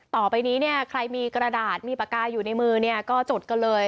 ต่อไปนี้เนี่ยใครมีกระดาษมีปากกาอยู่ในมือเนี่ยก็จดกันเลย